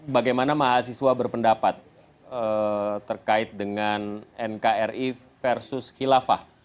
bagaimana mahasiswa berpendapat terkait dengan nkri versus khilafah